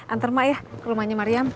anter ibu ya ke rumahnya mariam